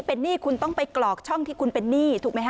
เป็นหนี้คุณต้องไปกรอกช่องที่คุณเป็นหนี้ถูกไหมฮ